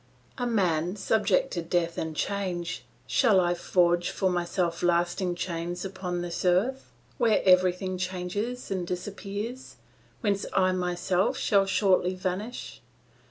A man, subject to death and change, shall I forge for myself lasting chains upon this earth, where everything changes and disappears, whence I myself shall shortly vanish!